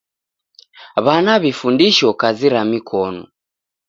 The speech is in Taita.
W'ana w'ifundisho kazi ra mikonu.